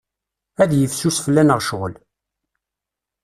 Ad yifsus fell-aneɣ ccɣel.